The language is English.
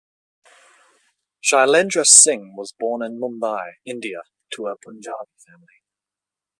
Shailendra Singh was born in Mumbai, India to a Punjabi Family.